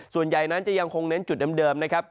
ส่วนใหญ่นั้นจะยังคงเน้นจุดเดิมนะครับ